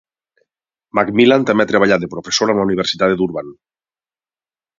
McMillan també ha treballat de professor a una universitat de Durban.